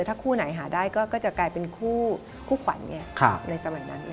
ถ้าคู่ไหนหาได้ก็จะกลายเป็นคู่ขวัญไงในสมัยนั้น